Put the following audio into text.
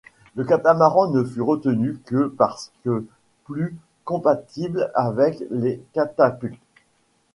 Le catamaran ne fut retenu que parce que plus compatible avec les catapultes.